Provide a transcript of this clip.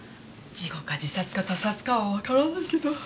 事故か自殺か他殺かはわからないけど。